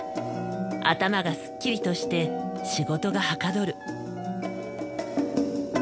頭がすっきりとして仕事がはかどる。